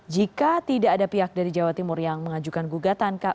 jika tidak ada pihak dari jawa timur yang mengajukan gugatan